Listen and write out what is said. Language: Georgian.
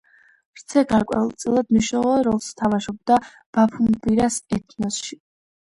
რძე გარკვეულწილად მნიშვნელოვან როლს თამაშობდა ბაფუმბირას ეთნოსში.